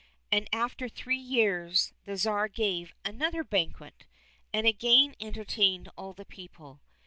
And after three years the Tsar gave another banquet, and again entertained all the people.